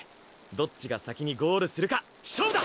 どっちが先にゴールするか勝負だ！